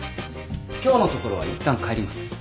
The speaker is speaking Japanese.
今日のところはいったん帰ります。